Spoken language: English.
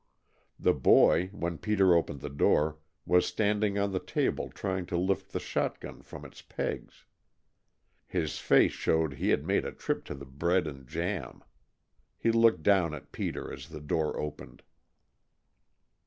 The boy, when Peter opened the door, was standing on the table trying to lift the shot gun from its pegs. His face showed he had made a trip to the bread and jam. He looked down at Peter as the door opened.